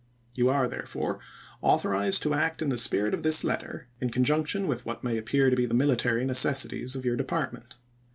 You are, there fore, authorized to act in the spirit of this letter, in schofleid" conjunction with what may appear to be the military isis^w^, necessities of your department.